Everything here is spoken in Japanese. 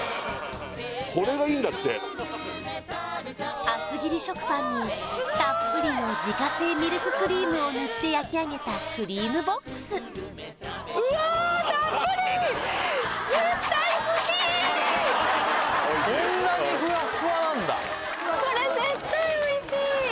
これがいいんだって厚切り食パンにたっぷりの自家製ミルククリームをぬって焼きあげたクリームボックスおいしいよ